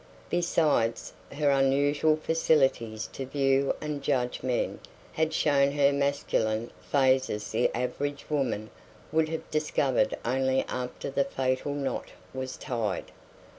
Besides, her unusual facilities to view and judge men had shown her masculine phases the average woman would have discovered only after the fatal knot was tied.